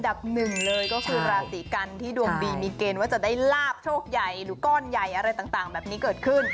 หนึ่งเลยก็คือราศีกันที่ดวงดีมีเกณฑ์ว่าจะได้ลาบโชคใหญ่หรือก้อนใหญ่อะไรต่างแบบนี้เกิดขึ้น